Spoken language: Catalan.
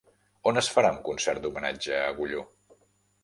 On es farà un concert d'homenatge a Agulló?